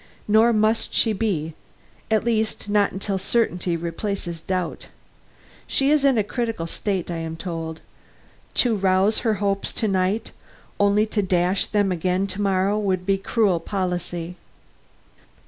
"Nor must she be; at least not till certainty replaces doubt. She is in a critical state, I am told. To rouse her hopes to night only to dash them again to morrow would be cruel policy."